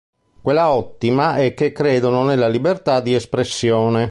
Quella ottima, è che credono nella libertà di espressione".